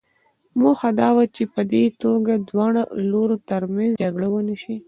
موخه دا وه چې په دې توګه د دواړو لورو ترمنځ جګړه ونه شي.